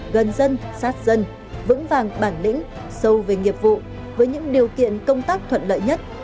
gần dân sát dân vững vàng bản lĩnh sâu về nghiệp vụ với những điều kiện công tác thuận lợi nhất